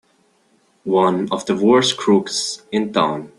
One of the worst crooks in town!